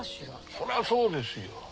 そりゃそうですよ。